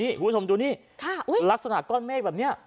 คุณผู้ชมดูนี่ลักษณะก้อนเมฆแบบนี้